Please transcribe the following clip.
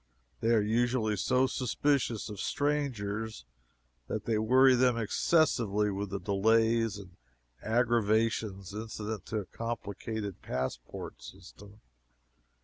They are usually so suspicious of strangers that they worry them excessively with the delays and aggravations incident to a complicated passport system.